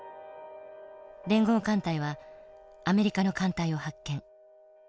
連合艦隊はアメリカの艦隊を発見。